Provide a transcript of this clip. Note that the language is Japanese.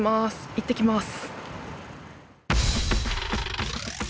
行ってきます。